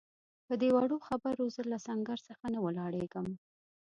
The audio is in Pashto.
پدې وړو خبرو زه له سنګر څخه نه ولاړېږم.